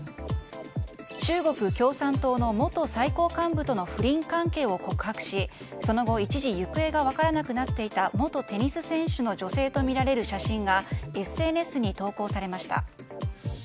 中国共産党の元最高幹部との不倫関係を告白しその後、一時行方が分からなくなっていた元テニス選手の女性とみられる写真がＳＮＳに投稿されました。